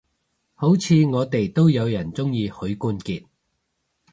好似我哋都有人鍾意許冠傑